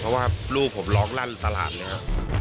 เพราะว่าลูกผมร้องลั่นตลาดเลยครับ